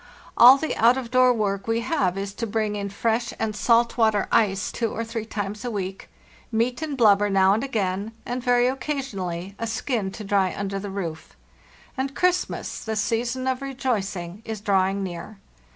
All the out of door work we have is to bring in fresh and salt water ice two or three times a week, meat and blubber now and again, and very occa sionally a skin to dry under the roof. And Christmas, the season of rejoicing, is drawing near.